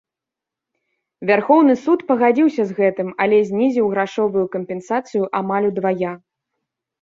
Вярхоўны суд пагадзіўся з гэтым, але знізіў грашовую кампенсацыю амаль удвая.